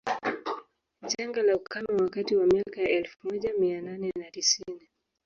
Janga la ukame wakati wa miaka ya elfu moja mia nane na tisini